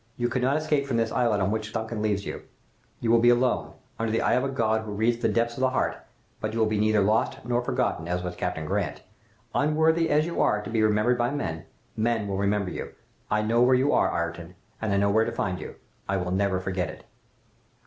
You cannot escape from this islet on which the 'Duncan' leaves you. You will be alone, under the eye of a God who reads the depths of the heart, but you will be neither lost nor forgotten, as was Captain Grant. Unworthy as you are to be remembered by men, men will remember you. I know where you are Ayrton, and I know where to find you. I will never forget it!